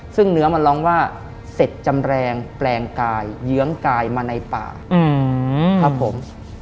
ซึ่งเนื้อมันร้องว่าเสร็จจำแรงแปลงกายเยื้องกายมาในป่าครับผม